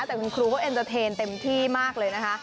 แต่คุณครูก็เอ็นเตอร์เทนเต็มที่มากเลยนะคะ